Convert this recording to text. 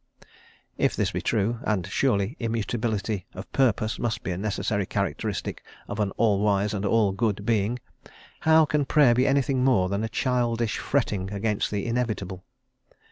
If this be true and surely immutability of purpose must be a necessary characteristic of an all wise and all good Being how can Prayer be anything more than a childish fretting against the inevitable?